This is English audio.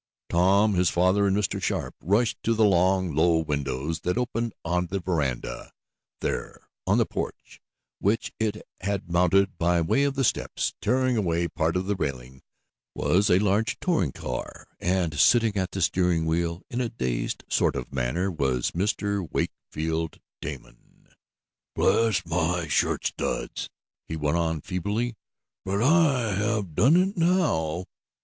Tom, his father and Mr. Sharp rushed to the long, low windows that opened on the veranda. There, on the porch, which it had mounted by way of the steps, tearing away part of the railing, was a large touring car; and, sitting at the steering wheel, in a dazed sort of manner, was Mr. Wakefield Damon. "Bless my shirt studs!" he went on feebly. "But I have done it now!"